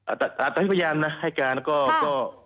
อาตาอาตาที่พยายามนะให้การก็ก็